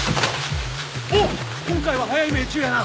おっ今回は早い命中やな。